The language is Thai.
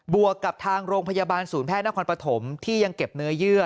วกกับทางโรงพยาบาลศูนย์แพทย์นครปฐมที่ยังเก็บเนื้อเยื่อ